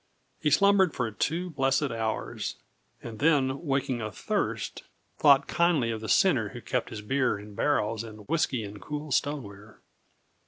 He slumbered for two blessed hours, and then waking athirst, thought kindly of the sinner who kept his beer in barrels and whisky in cool stoneware.